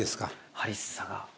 ハリッサが。